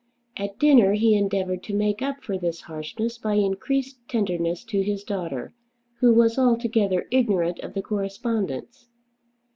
At dinner he endeavoured to make up for this harshness by increased tenderness to his daughter, who was altogether ignorant of the correspondence.